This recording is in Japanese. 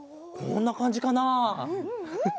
こんなかんじかなフフッ。